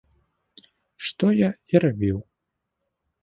Што я і рабіў.